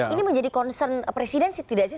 ini menjadi concern presiden tidak sih